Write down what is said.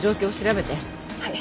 はい。